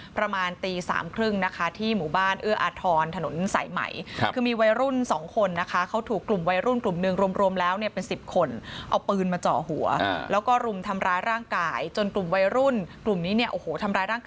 ประมาณตีสามครึ่งที่หมู่บ้านเอื้ออาทรกถนนสายไหม